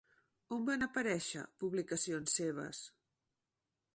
On van aparèixer publicacions seves?